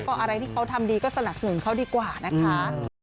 ก็อะไรที่เขาทำดีก็สนับสนุนเขาดีกว่านะคะ